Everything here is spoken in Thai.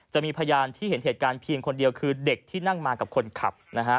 จะมีพยานที่เห็นเหตุการณ์เพียงคนเดียวคือเด็กที่นั่งมากับคนขับนะฮะ